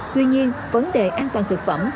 tuy nhiên vấn đề an toàn thực phẩm